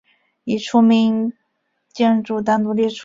已除名建筑单独列出。